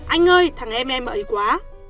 anh ơi thằng em em ấy quá